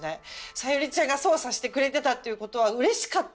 さゆりちゃんが捜査してくれてたっていうことはうれしかった。